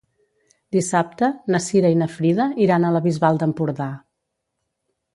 Dissabte na Cira i na Frida iran a la Bisbal d'Empordà.